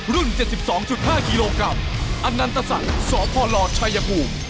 รุ่น๗๒๕กิโลกรัมอนันตสัตว์สพลชัยภูมิ